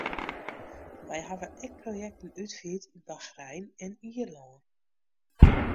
Wy hawwe ek projekten útfierd yn Bachrein en Ierlân.